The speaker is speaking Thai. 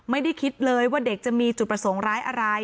ไม่ได้คิดเลยว่าเด็กจะมีจุดประสงค์ร้ายอะไร